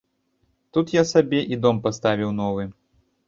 Тут я сабе і дом паставіў новы.